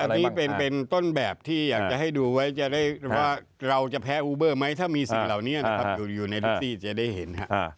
อันนี้เป็นต้นแบบที่อยากจะให้ดูไว้จะได้ว่าเราจะแพ้อูเบอร์ไหมถ้ามีสิ่งเหล่านี้นะครับอยู่ในทุกซี่จะได้เห็น